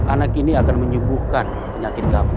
anak ini akan menyembuhkan penyakit kamu